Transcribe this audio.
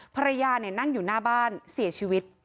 ภรรยานั่งอยู่หน้าบ้านเสียชีวิต